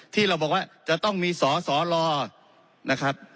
ที่เราบอกว่าจะต้องมีสอสอรอนะครับ